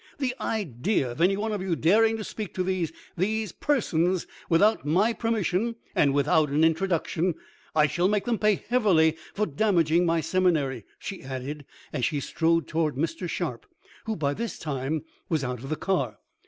"The idea of any one of you daring to speak to these these persons without my permission, and without an introduction! I shall make them pay heavily for damaging my seminary," she added, as she strode toward Mr. Sharp, who, by this time, was out of the car.